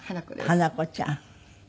花子ちゃん。